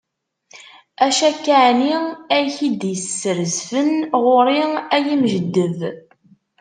Acu akka ɛni ay k-id-isrezfen ɣur-i ay imjeddeb?